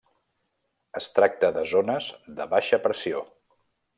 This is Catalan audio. Es tracta de zones de baixa pressió.